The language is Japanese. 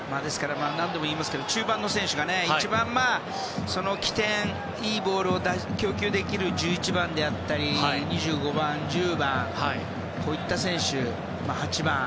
何度も言いますけど中盤の選手が一番、起点としていいボールを供給できる１１番であったり２５番、１０番といった選手そして８番。